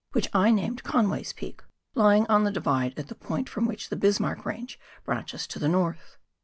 whicli I named Conway's Peak, lying on the Divide at the point from which the Bismarck Range branches to the north.